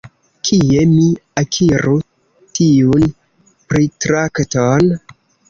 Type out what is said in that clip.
Kie mi akiru tiun pritrakton?